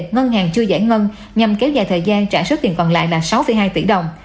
ngân hàng chưa giải ngân nhằm kéo dài thời gian trả số tiền còn lại là sáu hai tỷ đồng